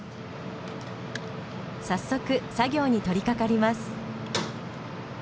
早速作業に取りかかります。